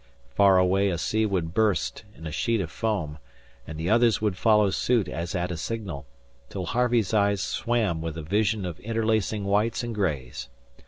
Far away a sea would burst into a sheet of foam, and the others would follow suit as at a signal, till Harvey's eyes swam with the vision of interlacing whites and grays.